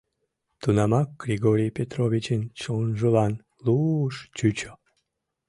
Тунамак Григорий Петровичын чонжылан лу-уш чучо.